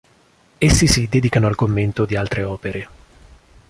Essi si dedicano al commento di altre opere.